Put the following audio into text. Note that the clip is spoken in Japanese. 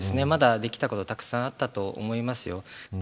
まだできたことたくさんあったと思いますよ。